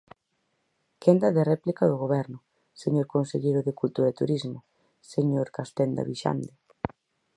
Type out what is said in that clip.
Quenda de réplica do Goberno, señor conselleiro de Cultura e Turismo, señor Castenda Vixande.